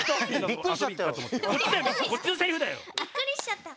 びっくりしちゃった。